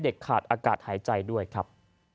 ขาดอากาศหายใจด้วยครับ